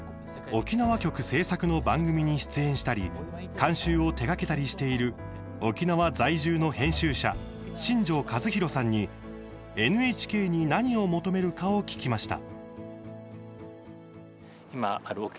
沖縄局制作の番組に出演したり監修を手がけたりしている沖縄在住の編集者新城和博さんにＮＨＫに何を求めるかを聞きました。